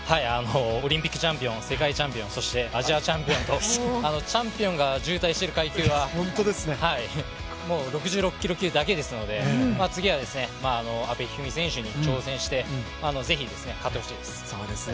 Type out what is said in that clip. オリンピックチャンピオン、世界チャンピオン、アジアチャンピオンとチャンピオンが渋滞している階級は６６キロ級だけですので、次は阿部一二三選手に挑戦してぜひ勝ってほしいです。